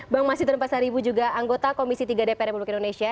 bang masinton pasaribu juga anggota komisi tiga dpr republik indonesia